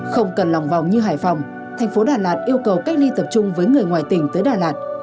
không cần lòng vòng như hải phòng thành phố đà lạt yêu cầu cách ly tập trung với người ngoài tỉnh tới đà lạt